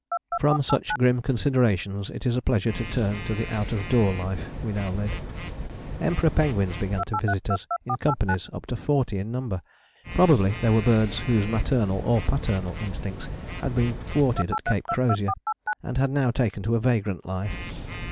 From such grim considerations it is a pleasure to turn to the out of door life we now led. Emperor penguins began to visit us in companies up to forty in number: probably they were birds whose maternal or paternal instincts had been thwarted at Cape Crozier and had now taken to a vagrant life.